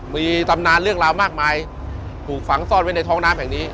มีตำนานเรื่องราวมากมายถูกฝังซ่อนไว้ในท้องน้ำแห่งนี้